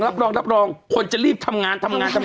รับรองคนจะรีบทำงาน